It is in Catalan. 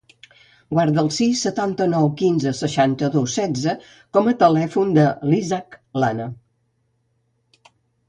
Guarda el sis, setanta-nou, quinze, seixanta-dos, setze com a telèfon de l'Ishak Lana.